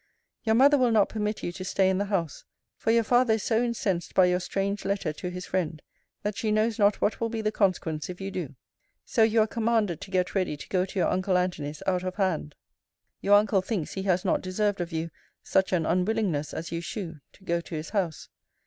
Your mother will not permit you to stay in the house; for your father is so incensed by your strange letter to his friend, that she knows not what will be the consequence if you do. So, you are commanded to get ready to go to your uncle Antony's out of hand. Your uncle thinks he has not deserved of you such an unwillingness as you shew to go to his house.